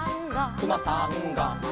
「くまさんが」